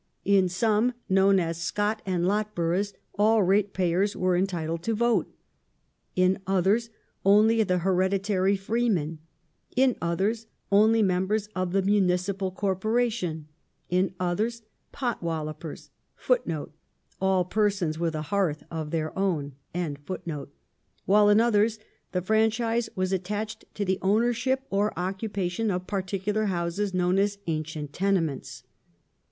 In some, known as " Scot and Lot Boroughs," all ratepayers were entitled to vote ; in others only the hereditary "freemen"; in othei s only members of the municipal corporation ; in othei s " potwallopei s ";^ while in others the franchise was attached to the ownership or occupation of particular houses known as " ancient tenements